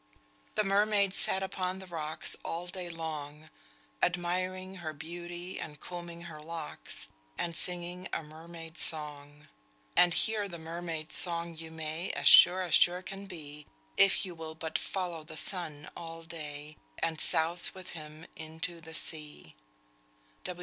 "The mermaid sat upon the rocks All day long, Admiring her beauty and combing her locks, And singing a mermaid song. "And hear the mermaid's song you may, As sure as sure can be, If you will but follow the sun all day, And souse with him into the sea."